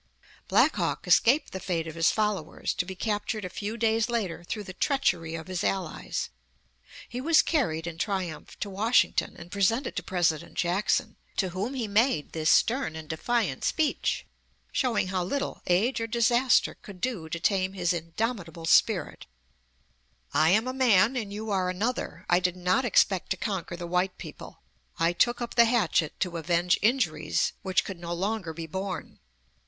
Black Hawk escaped the fate of his followers, to be captured a few days later through the treachery of his allies. He was carried in triumph to Washington and presented to President Jackson, to whom he made this stern and defiant speech, showing how little age or disaster could do to tame his indomitable spirit: "I am a man and you are another. I did not expect to conquer the white people. I took up the hatchet to avenge injuries which could no longer be borne.